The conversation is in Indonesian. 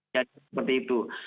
jadi seperti itu